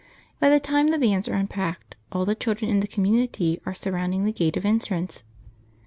By the time the vans are unpacked all the children in the community are surrounding the gate of entrance.